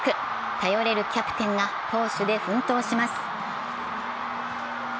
頼れるキャプテンが攻守で奮闘します。